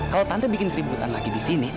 kalau tante bikin keributan lagi disini